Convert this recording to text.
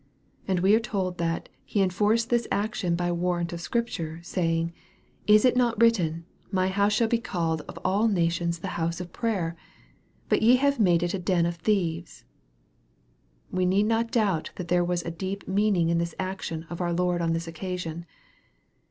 And we are told that He enforced this action by warrant of Scripture, saying, " Is it not written, My house shall be called of all nations the house of prayer ? but ye have made it a den of thieves." We need not doubt that there was a deep meaning in this action of our Lord on this occasion.